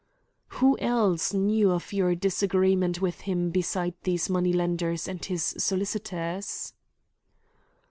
"Who else knew of your disagreement with him besides these money lenders and his solicitors?"